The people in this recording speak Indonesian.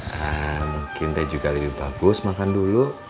nah mungkin teh juga lebih bagus makan dulu